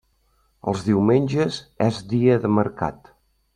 Els diumenges és dia de mercat.